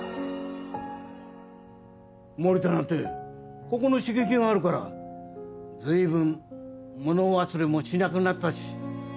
森田なんてここの刺激があるから随分物忘れもしなくなったし。